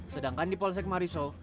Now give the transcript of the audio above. sedangkan di polsek mariso